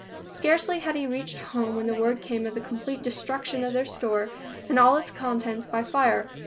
Scarcely had he reached home when word came of the complete destruction of their store and all its contents by fire.